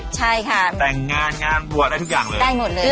ใช่ค่ะแต่งงานงานบวชได้ทุกอย่างเลยได้หมดเลย